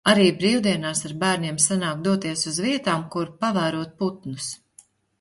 Arī brīvdienās ar bērniem sanāk doties uz vietām, kur pavērot putnus.